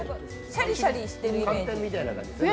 シャリシャリしてるイメージ。